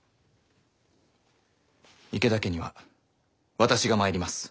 池田家には私が参ります。